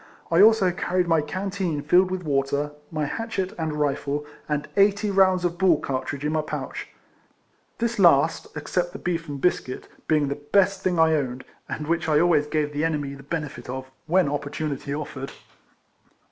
I also carried my canteen filled with water, my hatchet and RIFLEMAN HARRIS. 27 rifle, and eighty rounds of ball cartridge in my pouch; this last, except the beef and biscuit, being the best thing I owned, and which I always gave the enemy the benefit of, when opportunity offered.